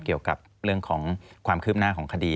เกี่ยวกับเรื่องของความคืบหน้าของคดี